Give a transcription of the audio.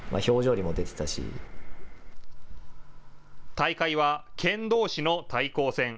大会は県どうしの対抗戦。